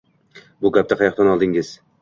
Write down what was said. Bu gapni qayoqdan oldingiz